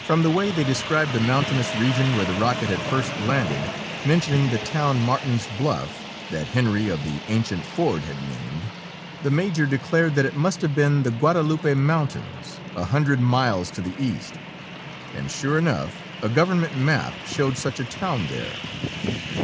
From the way they described the mountainous region where the rocket had first landed, mentioning the town Martin's Bluff, that Henry of the ancient Ford had named, the major declared that it must have been the Guadalupe Mountains a hundred miles to the east and sure enough, a government map showed such a town there.